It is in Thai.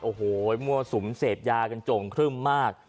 โอ้โหมั่วสุมเสพยากันโจ่งครึ่มมาก